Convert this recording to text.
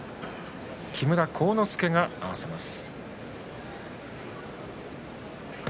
木村晃之助が合わせます。